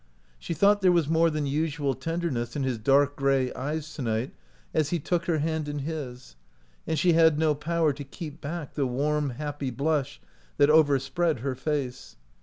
She thought there was more than usual ten derness in his dark gray eyes to night as he took her hand in his, and she had no power to keep back the warm, happy blush that overspread her face.